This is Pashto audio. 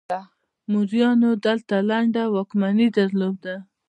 موریانو دلته لنډه واکمني درلوده